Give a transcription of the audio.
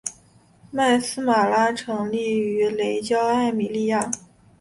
麦丝玛拉成立于雷焦艾米利亚。